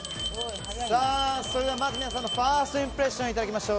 それではまず皆さんのファーストインプレッションをいただきましょう。